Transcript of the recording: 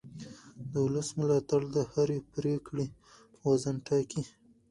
د ولس ملاتړ د هرې پرېکړې وزن ټاکي